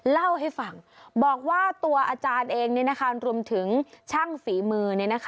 เล่าให้ฟังบอกว่าตัวอาจารย์เองรวมถึงช่างฝีมือ